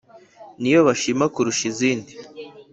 niyo bashima kurusha izindi